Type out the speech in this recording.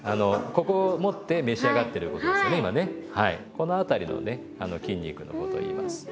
この辺りのね筋肉のことをいいます。